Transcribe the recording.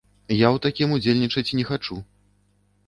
Я ў такім удзельнічаць не хачу.